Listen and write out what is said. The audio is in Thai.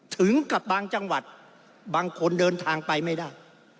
ถึงกับบางจังหวัดบางคนเดินทางไปไม่ได้